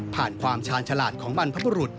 ความชาญฉลาดของบรรพบุรุษ